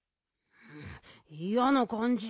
いやなかんじ。